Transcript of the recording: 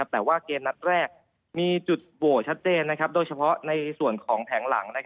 แต่ว่าเกมนัดแรกมีจุดโหวตชัดเจนโดยเฉพาะในส่วนของแผงหลัง